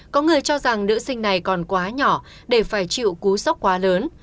có người cho rằng nữ sinh này còn quá nhỏ để phải chịu cú sốc quá lớn